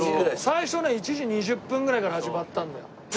最初ね１時２０分ぐらいから始まったんだよ。